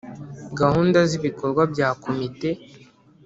gahunda z ibikorwa bya Komite